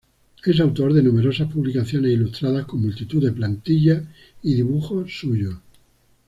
Es autor de numerosas publicaciones ilustradas con multitud de plantillas y dibujos suyos.